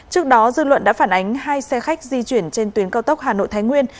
trước đó dư luận đã phản ánh hai xe khách di chuyển trên tuyến cao tốc hà nội thái nguyên